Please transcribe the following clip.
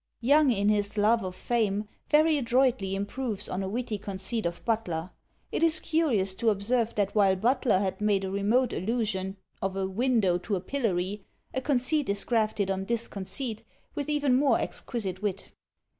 Young, in his "Love of Fame," very adroitly improves on a witty conceit of Butler. It is curious to observe that while Butler had made a remote allusion of a window to a pillory, a conceit is grafted on this conceit, with even more exquisite wit.